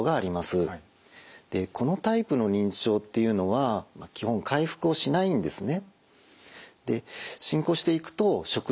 このタイプの認知症っていうのは基本回復をしないんですね。